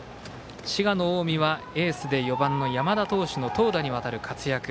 滋賀の近江はエースで４番の山田投手の投打にわたる活躍。